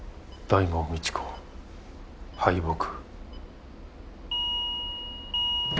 大門未知子敗北。